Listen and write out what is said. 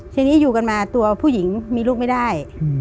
ทีนี้อยู่กันมาตัวผู้หญิงมีลูกไม่ได้